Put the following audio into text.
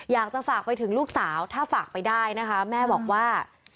อยากจะฝากไปถึงลูกสาวถ้าฝากไปได้นะคะแม่บอกว่า